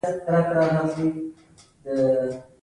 دا کیسه به ستاسې شک له منځه یوسي